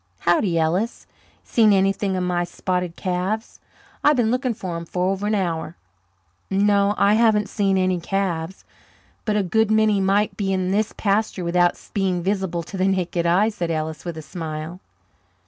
"Howdy, Ellis. Seen anything of my spotted calves? I've been looking for 'em for over an hour." "No, I haven't seen any calves but a good many might be in this pasture without being visible to the naked eye," said Ellis, with a smile.